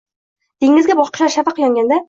Dengizga boqishar shafaq yonganda